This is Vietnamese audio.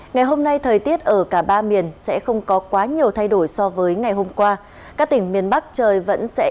các bạn hãy đăng ký kênh để ủng hộ kênh của chúng mình nhé